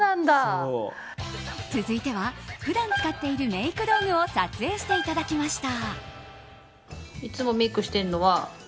続いては、普段使っているメイク道具を撮影していただきました。